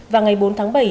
và ngày bốn tháng bảy